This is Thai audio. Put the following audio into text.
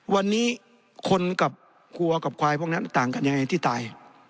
วันนี้คนกับครัวกับควายพวกนั้นต่างกันยังไงที่ตาย